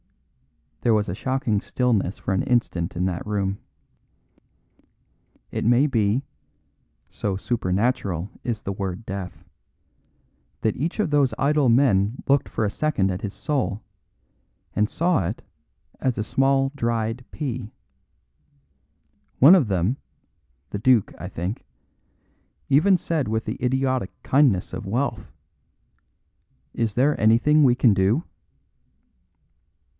There was a shocking stillness for an instant in that room. It may be (so supernatural is the word death) that each of those idle men looked for a second at his soul, and saw it as a small dried pea. One of them the duke, I think even said with the idiotic kindness of wealth: "Is there anything we can do?"